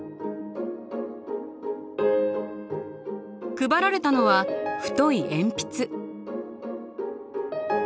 配られたのは太い鉛筆。